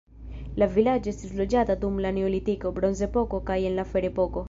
La vilaĝo estis loĝata dum la neolitiko, bronzepoko kaj en la ferepoko.